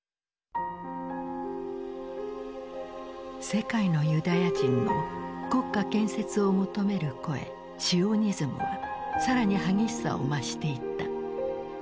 世界のユダヤ人の国家建設を求める声シオニズムは更に激しさを増していった。